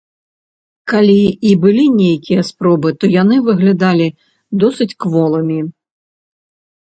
Калі і былі нейкія спробы, то яны выглядалі досыць кволымі.